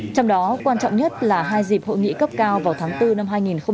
trong đó quan trọng nhất là hai dịp hội nghị cấp cao vào tháng bốn năm hai nghìn hai mươi